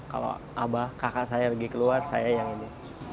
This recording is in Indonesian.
kalau abah kakak saya lagi keluar saya yang ini